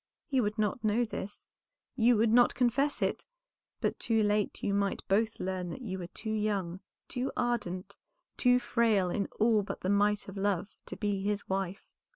He would not know this, you would not confess it, but too late you might both learn that you were too young, too ardent, too frail in all but the might of love, to be his wife.